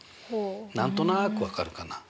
何となく分かるかな？